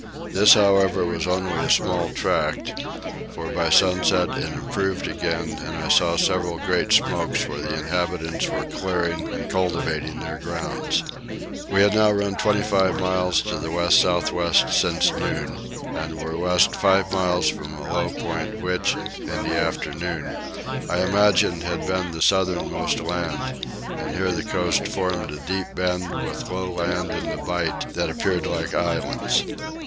This however was only a small tract, for by sunset it improved again and I saw several great smokes where the inhabitants were clearing and cultivating their grounds. We had now run 25 miles to the west south west since noon and were west five miles from a low point which, in the afternoon, I imagined had been the southernmost land, and here the coast formed a deep bend with low land in the bight that appeared like islands.